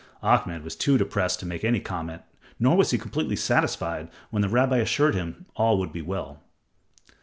Ahmed was too depressed to make any comment, nor was he completely satisfied when the rabbi assured him all would be well.